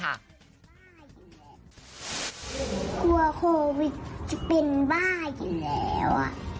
กลัวโควิดจะเป็นบ้าอยู่แล้ว